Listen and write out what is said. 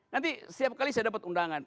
nanti setiap kali saya dapat undangan